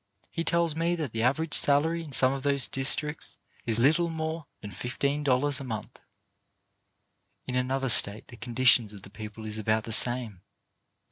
He tells me that the average salary in some of those districts is little more than fifteen dollars a month. In another state the condition of the people is about the same.